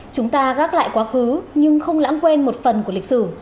chúng ta gác lại quá khứ nhưng không lãng quên một phần của lịch sử